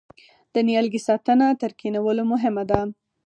د نیالګي ساتنه تر کینولو مهمه ده؟